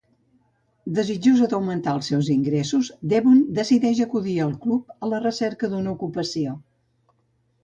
Desitjosa d'augmentar els seus ingressos, Devon decideix acudir al club a la recerca d'una ocupació.